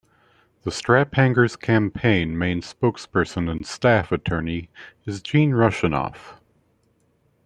The Straphangers Campaign's main spokesperson and staff attorney is Gene Russianoff.